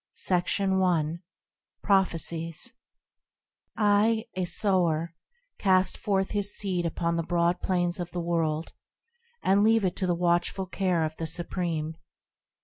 Part III: The Divine Messages I, a Sower, Cast forth this seed upon the broad plains of the world. And leave it to the watchful care of the Supreme.